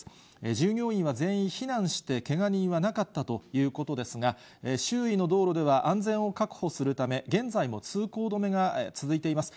従業員は全員避難して、けが人はなかったということですが、周囲の道路では、安全を確保するため、現在も通行止めが続いています。